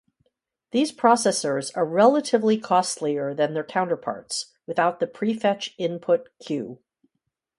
These processors are relatively costlier than their counterparts without the prefetch input queue.